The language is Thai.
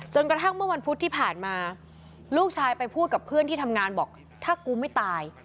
กระทั่งเมื่อวันพุธที่ผ่านมาลูกชายไปพูดกับเพื่อนที่ทำงานบอกถ้ากูไม่ตาย